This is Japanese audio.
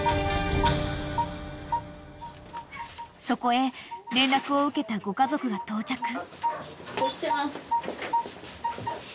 ［そこへ連絡を受けたご家族が到着］